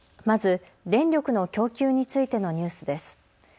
まず電力の供給についてのニュースです。